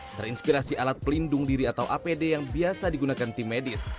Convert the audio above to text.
terinspirasi alat pelindung diri atau apd yang biasa digunakan tim medis